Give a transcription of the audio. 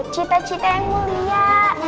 cita yang mulia